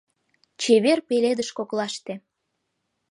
Чевер пеледыш коклаште